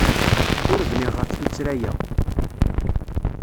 Ur bniɣ ɣef tuttra-a.